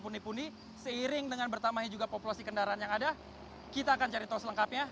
puni puni seiring dengan bertambahnya juga populasi kendaraan yang ada kita akan cari tahu selengkapnya